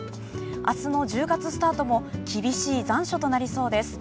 明日の１０月スタートも厳しい残暑となりそうです。